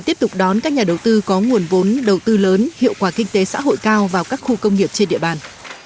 tiếp tục đón các nhà đầu tư có nguồn vốn đầu tư lớn hiệu quả kinh tế xã hội cao vào các khu công nghiệp trên địa bàn